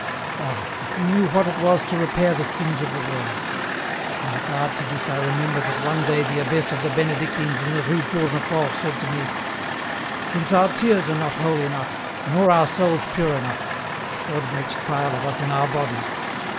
Ah ! if you knew what it was to repair the sins of the world. In regard to this I remember that one day the abbess of the Benedictines in the Rue Toumefort said to me :' Since our tears are not holy enough, nor our souls pure enough, God makes trial of us in our bodies.'